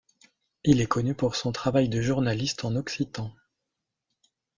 Il est connu pour son travail de journaliste en occitan.